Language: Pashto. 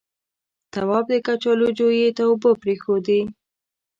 تواب د کچالو جويې ته اوبه پرېښودې.